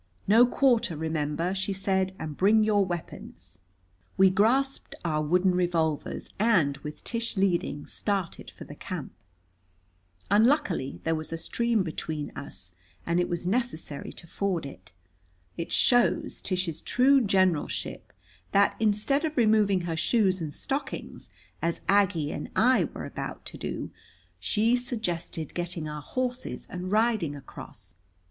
"No quarter, remember," she said. "And bring your weapons." We grasped our wooden revolvers and, with Tish leading, started for the camp. Unluckily there was a stream between us, and it was necessary to ford it. It shows Tish's true generalship that, instead of removing her shoes and stockings, as Aggie and I were about to do, she suggested getting our horses and riding across.